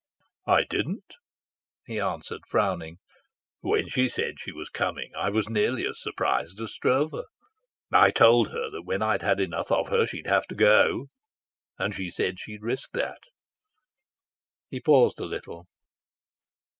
"I didn't," he answered, frowning. "When she said she was coming I was nearly as surprised as Stroeve. I told her that when I'd had enough of her she'd have to go, and she said she'd risk that." He paused a little.